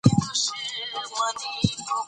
خپل تاریخ وپیژنو.